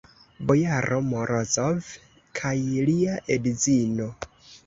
Bojaro Morozov kaj lia edzino.